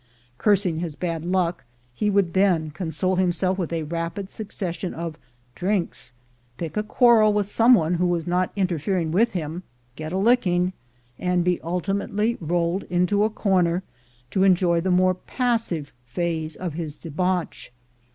Cursing his bad luck, he would then console himself with a rapid succession of "drinks," pick a quarrel with some one who was not inter fering with him, get a licking, and be ultimately rolled into a corner to enjoy the more passive phase of his debauch.